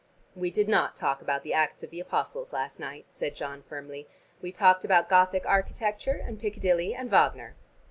"We did not talk about the Acts of the Apostles last night," said John firmly, "we talked about Gothic architecture, and Piccadilly, and Wagner."